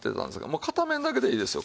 もう片面だけでいいですよ